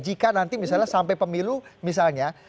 jika nanti misalnya sampai pemilu misalnya